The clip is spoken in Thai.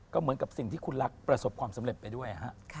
ก็เหมือนกับสิ่งที่คุณรักประสบความสำเร็จไปด้วย